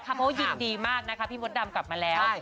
เพราะว่ายินดีมากนะคะพี่มดดำกลับมาแล้ว